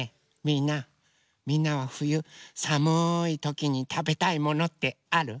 みんなはふゆさむいときにたべたいものってある？